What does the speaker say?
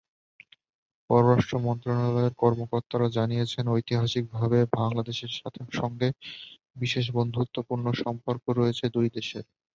পররাষ্ট্র মন্ত্রণালয়ের কর্মকর্তারা জানিয়েছেন, ঐতিহাসিকভাবে বাংলাদেশের সঙ্গে বিশেষ বন্ধুত্বপূর্ণ সম্পর্ক রয়েছে দুই দেশের।